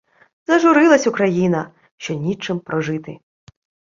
«Зажурилась Україна, що нічим прожити…»